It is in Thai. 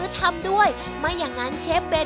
ทำสดเลยใครทำอ่ะคุณพ่อครับผม